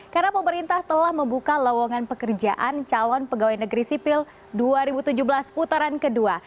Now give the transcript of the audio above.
karena pemerintah telah membuka lowongan pekerjaan calon pegawai negeri sipil dua ribu tujuh belas putaran kedua